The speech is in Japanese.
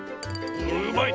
うまいね。